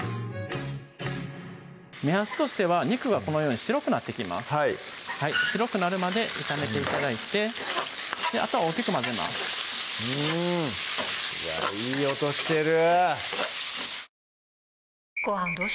目安としては肉がこのように白くなってきます白くなるまで炒めて頂いてあとは大きく混ぜますいい音してる！